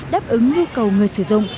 đáp ứng nhu cầu người sử dụng